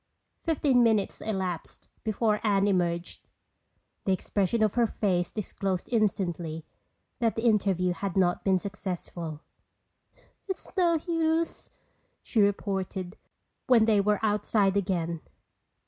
Fifteen minutes elapsed before Anne emerged. The expression of her face disclosed instantly that the interview had not been successful. "It's no use," she reported when they were outside again.